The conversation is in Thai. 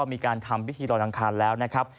มีการทำพิธีรอยอังคารแล้วนะครับ